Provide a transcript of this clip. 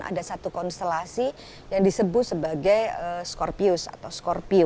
ada satu konstelasi yang disebut sebagai skorpius atau skorpius